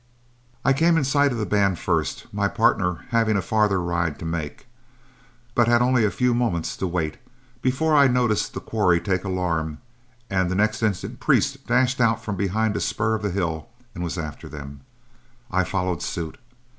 I came in sight of the band first, my partner having a farther ride to make, but had only a few moments to wait, before I noticed the quarry take alarm, and the next instant Priest dashed out from behind a spur of the hill and was after them, I following suit.